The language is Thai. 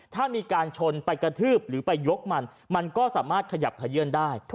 ถ้ามีการชนไปกระทืบหรือไปยกมันมันก็สามารถขยับขยื่นได้